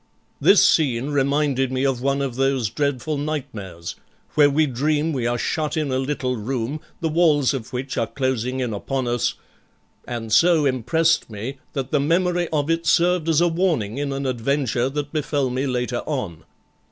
This scene reminded me of one of those dreadful nightmares, where we dream we are shut in a little room, the walls of which are closing in upon us, and so impressed me that the memory of it served as a warning in an adventure that befell me later on.